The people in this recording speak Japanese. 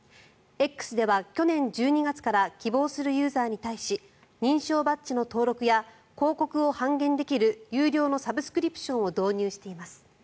Ｘでは去年１２月から希望するユーザーに対し認証バッジの登録や広告を半減できる有料のサブスクリプションを導入しています。